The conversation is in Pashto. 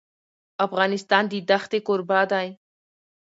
افغانستان د دښتې کوربه دی.